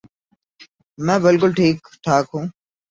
میں بالکل ٹھیک ٹھاک ہوں